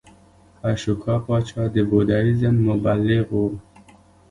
اشوکا پاچا د بودیزم مبلغ و